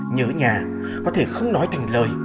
nhớ nhà có thể không nói thành lời